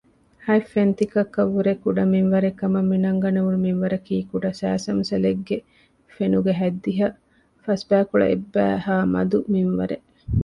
ހަތް ފެންތިއްކަކަށްވުރެ ކުޑަ މިންވަރެއްކަމަށް މިނަންގަނެވުނު މިންވަރަކީ ކުޑަ ސައިސަމްސަލެއްގެ ފެނުގެ ހަތްދިހަ ފަސްބައިކުޅަ އެއްބައިހާ މަދު މިންވަރެއް